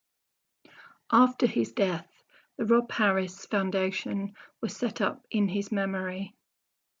After his death, the Rob Harris Foundation was set up in his memory.